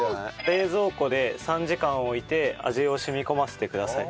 冷蔵庫で３時間置いて味を染み込ませてください。